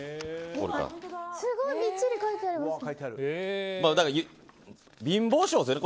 すごいみっちり書いてますね。